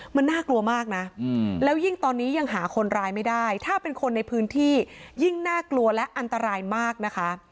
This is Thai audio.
มันน่ากลัวมากนะแล้วยิ่งตอนนี้ยังหาคนร้ายไม่ได้ถ้าเป็นคนในพื้นที่ยิ่งน่ากลัวและอันตรายมากนะคะ